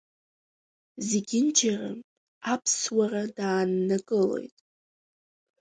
Зегьынџьара Аԥсуара дааннакылоит.